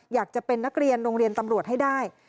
อยากจะเป็นนักเรียนโรงเรียนตำรวจให้ได้